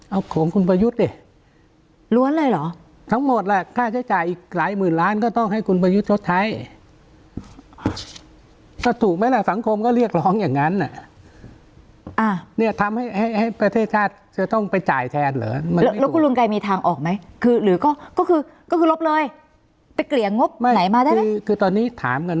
เอาของคุณประยุทธ์ดิล้วนเลยเหรอทั้งหมดล่ะค่าใช้จ่ายอีกหลายหมื่นล้านก็ต้องให้คุณประยุทธ์ชดใช้ก็ถูกไหมล่ะสังคมก็เรียกร้องอย่างนั้นอ่ะเนี่ยทำให้ให้ประเทศชาติจะต้องไปจ่ายแทนเหรอแล้วคุณลุงไกรมีทางออกไหมคือหรือก็คือลบเลยไปเกลี่ยงบวันไหนมาได้คือตอนนี้ถามกัน